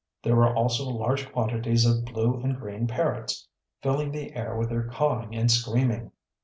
There were also large quantities of blue and green parrots, filling the air with their cawing and screaming.